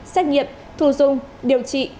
xét nghiệm thu dung điều trị